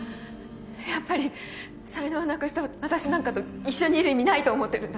やっぱり才能をなくした私なんかと一緒にいる意味ないと思ってるんだ